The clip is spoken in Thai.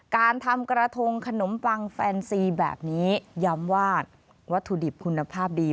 การทำกระทงขนมปังแฟนซีแบบนี้ย้ำว่าวัตถุดิบคุณภาพดี